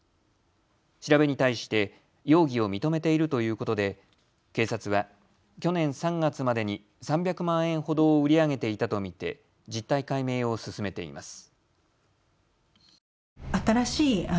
調べに対して容疑を認めているということで警察は去年３月までに３００万円ほどを売り上げていたと見て実態解明を進めています。